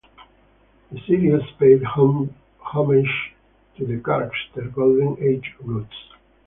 The series paid homage to the character's Golden Age roots.